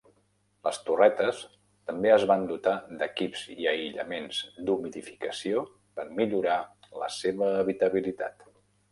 Les torretes també es van dotar d'equips i aïllaments d'humidificació per millorar la seva habitabilitat.